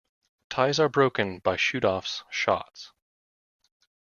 Ties are broken by shoot-offs shots.